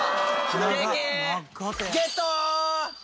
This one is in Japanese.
ゲット！